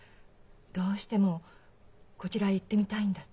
「どうしてもこちらへ行ってみたいんだ」